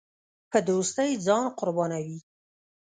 په دوستۍ ځان قربانوي.